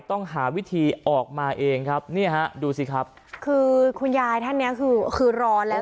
ต้องหาวิธีออกมาเองครับนี่ฮะดูสิครับคือคุณยายท่านเนี้ยคือคือรอแล้ว